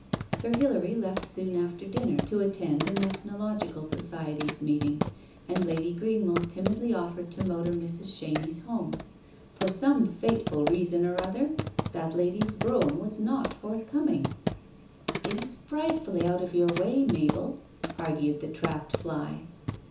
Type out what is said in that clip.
Sir Hilary left soon after dinner to attend an Ethnological Society's meeting, and Lady Greenwell timidly offered to motor Mrs. Chenies home. For some fateful reason or other, that lady's brougham was not forthcoming. " It is frightfully out of your way, Mabel !" argued the trapped fly.